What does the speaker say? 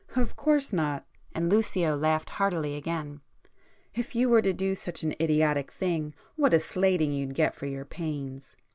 "Of course not!" and Lucio laughed heartily again—"If you were to do such an idiotic thing what a slating you'd get for your pains!